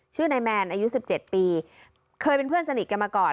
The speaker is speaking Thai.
ชื่อนายแมนอายุ๑๗ปีเคยเป็นเพื่อนสนิทกันมาก่อน